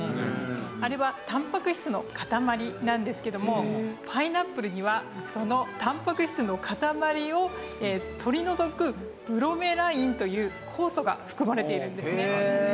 あれはたんぱく質の塊なんですけどもパイナップルにはそのたんぱく質の塊を取り除くブロメラインという酵素が含まれているんですね。